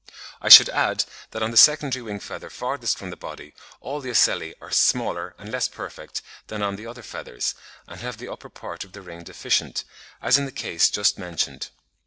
I should add that on the secondary wing feather farthest from the body all the ocelli are smaller and less perfect than on the other feathers, and have the upper part of the ring deficient, as in the case just mentioned.